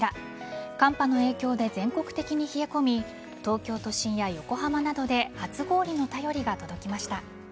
寒波の影響で全国的に冷え込み東京都心や横浜などで初氷の便りが届きました。